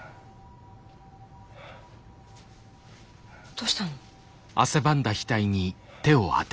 どうしたの？